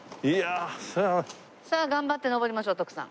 さあ頑張って上りましょう徳さん。